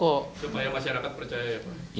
supaya masyarakat percaya